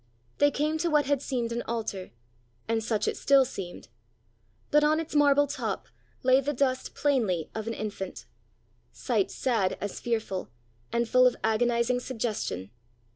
They came to what had seemed an altar, and such it still seemed. But on its marble top lay the dust plainly of an infant sight sad as fearful, and full of agonizing suggestion!